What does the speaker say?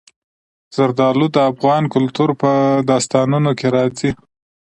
زردالو د افغان کلتور په داستانونو کې راځي.